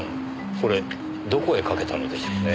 これどこへかけたのでしょうねえ。